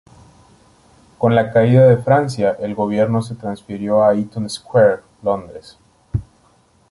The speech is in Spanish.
Con la caída de Francia, el gobierno se transfirió a Eaton Square, Londres.